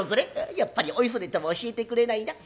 「やっぱりおいそれとは教えてくれないな。